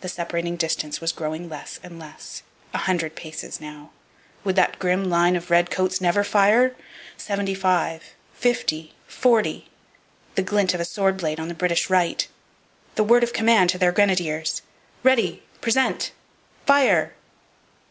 The separating distance was growing less and less. A hundred paces now! Would that grim line of redcoats never fire? Seventy five!! Fifty!! Forty!!! the glint of a sword blade on the British right! the word of command to their grenadiers! 'Ready! Present! Fire!!!'